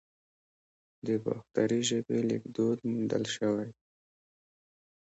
د باختري ژبې لیکدود موندل شوی